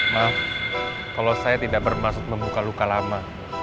maaf kalau saya tidak bermaksud membuka luka lama